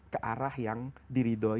ke arah yang diridoyal